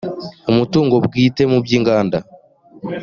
umutungo bwite mu by’inganda